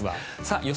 予想